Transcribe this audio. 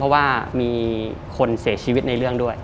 เพราะว่ามีคนเสียชีวิตในเรื่องด้วย